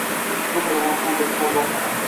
ځمکه د افغانستان د اقتصاد برخه ده.